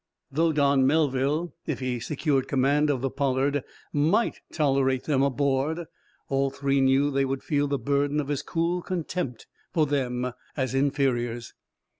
Though Don Melville, if he secured command of the "Pollard," might tolerate them aboard, all three knew that they would feel the burden of his cool contempt for them as inferiors.